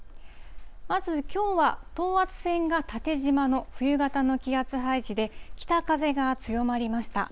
まずきょうは等圧線が縦じまの冬型の気圧配置で、北風が強まりました。